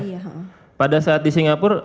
iya pada saat di singapura